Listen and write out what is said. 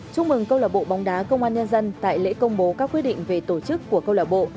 chúc mừng câu lạc bộ bóng đá công an nhân dân tại lễ công bố các quyết định về tổ chức của câu lạc bộ